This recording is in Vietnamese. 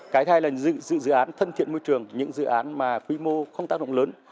cái hai là dự án thân thiện môi trường những dự án mà quy mô không tác động lớn